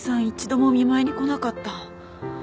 一度もお見舞いに来なかった。